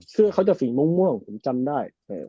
เสื้อเขาจะสีม่วงผมจำได้